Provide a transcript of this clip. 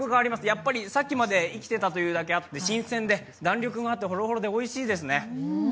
やっぱり、さっきまで生きていたというだけあって、新鮮で、弾力があってホロホロでおいしいですね。